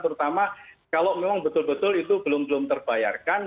terutama kalau memang betul betul itu belum belum terbayarkan